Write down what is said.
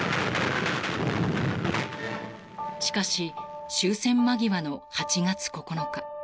しかし、終戦間際の８月９日。